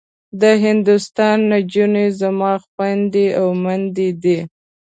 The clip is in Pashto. د هندوستان نجونې زما خوندي او مندي دي.